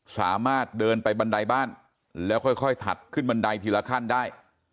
สามารถเดินไปบันไดบ้านแล้วค่อยถัดขึ้นบันไดทีละขั้นได้